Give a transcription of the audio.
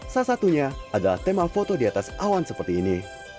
salah satunya adalah tema foto di atas awan seperti ini